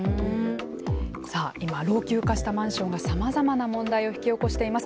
さあ今老朽化したマンションがさまざまな問題を引き起こしています。